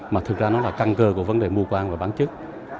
mà thực ra nó là căn cơ của vấn đề mua quang và bán chức